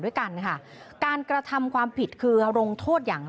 ด้วยกันค่ะการกระทำความผิดคือลงโทษอย่าง